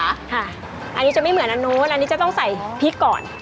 อันนี้จะไม่เหมือนอันนู้นอันนี้จะต้องใส่พริกก่อน